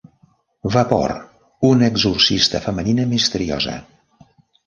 Vapor: una exorcista femenina misteriosa.